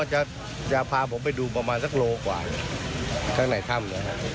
จะพาผมไปหาสักโลกวะเข้าในถ้ำ